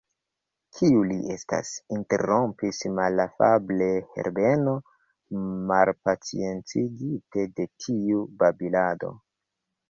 Kiu li estas? interrompis malafable Herbeno, malpaciencigite de tiu babilado.